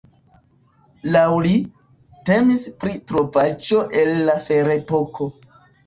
Laŭ li, temis pri trovaĵo el la ferepoko.